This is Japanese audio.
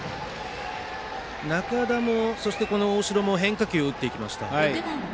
仲田も大城も変化球を打っていきました。